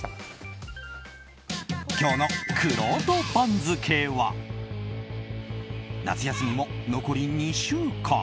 今日のくろうと番付は夏休みも残り２週間。